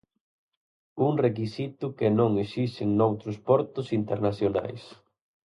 Un requisito que non esixen noutros portos internacionais.